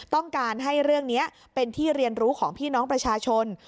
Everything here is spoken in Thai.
ต้องการให้เรื่องนี้เป็นที่เรียนรู้ของพี่น้องประชาชน